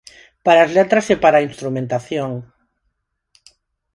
Para as letras e para a instrumentación.